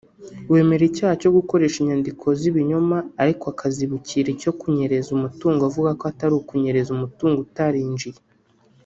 wemera icyaha cyo gukoresha inyandiko z’ibinyoma ariko akazibukira icyo kunyereza umutungo avuga ko atari kunyereza umutungo utarinjiye